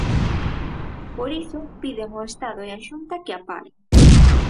Por iso, piden ao Estado e á Xunta que a "paren".